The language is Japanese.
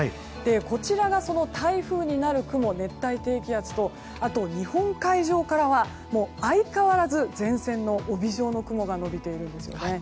こちらが、その台風になる雲熱帯低気圧とあと、日本海上からは相変わらず前線の帯状の雲が延びているんですよね。